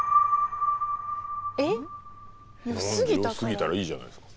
良すぎたらいいじゃないですか。